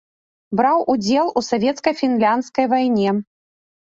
Браў удзел у савецка-фінляндскай вайне.